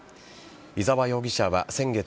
伊沢容疑者は先月